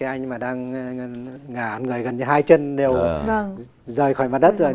cái anh mà đang ngả người gần như hai chân đều rời khỏi mặt đất rồi